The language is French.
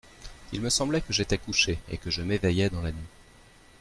«Il me semblait que j'étais couché et que je m'éveillais dans la nuit.